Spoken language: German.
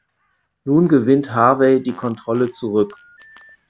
Nun gewinnt Harvey die Kontrolle zurück.